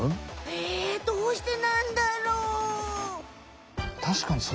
えどうしてなんだろう？